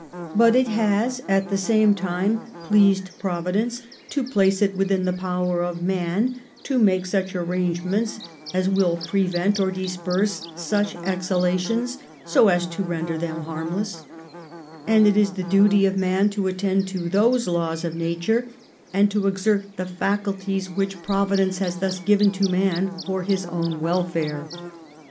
But it has, at the same time, pleased Providence to place it within the power of man to make such arrange ments, as will prevent or disperse such exhalations so as to render them harmless, and it is the duty of man to attend to those laws of nature and to exert the faculties which Providence has thus given to man for his own welfare.